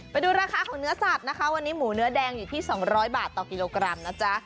ไปดูราคาของเนื้อสัตว์นะคะวันนี้หมูเนื้อแดงอยู่ที่๒๐๐บาทต่อกิโลกรัมนะจ๊ะ